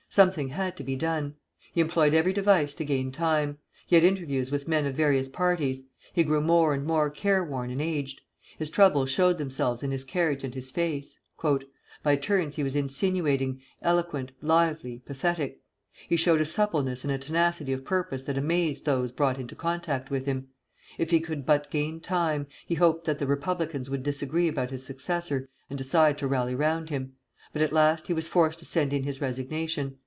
Something had to be done. He employed every device to gain time. He had interviews with men of various parties. He grew more and more care worn and aged. His troubles showed themselves in his carriage and his face. "By turns he was insinuating, eloquent, lively, pathetic. He showed a suppleness and a tenacity of purpose that amazed those brought into contact with him. If he could but gain time, he hoped that the Republicans would disagree about his successor, and decide to rally round him; but at last he was forced to send in his resignation.